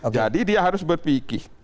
jadi dia harus berpikir